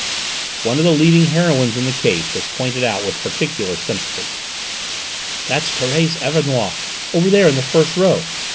One of the leading heroines in the case was pointed out with particular sympathy. "That's Thérèse Auvernois, over there in the first row!